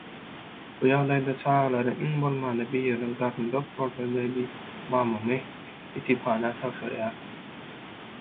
Bu ýagdaýda çagalarynyň iň bolmanda biriniň garny dok bolsa-da diýip mamamy ýetimhana tabşyrýar.